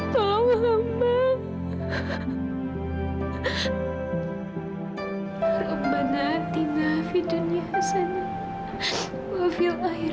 tolong hamba ya allah